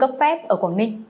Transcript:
cấp phép ở quảng đinh